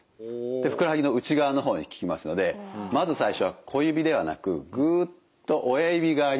でふくらはぎの内側の方に効きますのでまず最初は小指ではなくグッと親指側に乗せて。